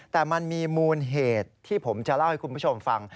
แต่มันมีมูลเหตุที่ผมจะเล่าให้คุณผู้ชมฟัง